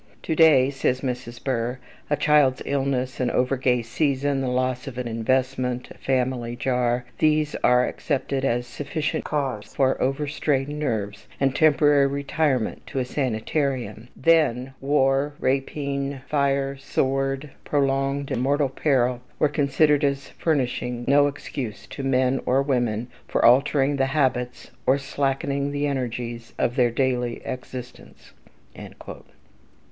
"To day," says Mrs. Burr, "a child's illness, an over gay season, the loss of an investment, a family jar, these are accepted as sufficient cause for over strained nerves and temporary retirement to a sanitarium. Then, war, rapine, fire, sword, prolonged and mortal peril, were considered as furnishing no excuse to men or women for altering the habits, or slackening the energies, of their daily existence."